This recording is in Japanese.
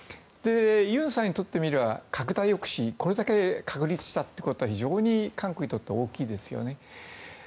尹さんにとってみれば拡大抑止をこれだけ確立したということは非常に韓国にとって大きいですよね。